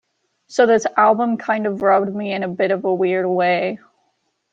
So this album kind of rubbed me in a bit of a weird way.